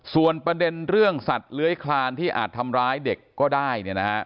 ส่วนประเด็นเรื่องสัตว์เลื้อยคลานที่อาจทำร้ายเด็กก็ได้เนี่ยนะฮะ